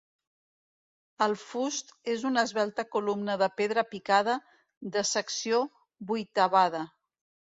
El fust és una esvelta columna de pedra picada, de secció vuitavada.